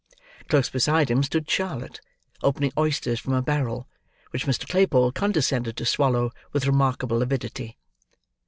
Close beside him stood Charlotte, opening oysters from a barrel: which Mr. Claypole condescended to swallow, with remarkable avidity.